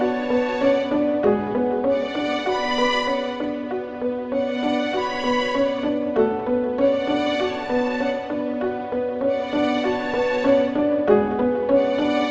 orang yang tadi siang dimakamin